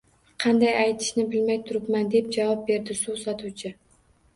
Qanday aytishni bilmay turibman deb javob berdi suv sotuvchi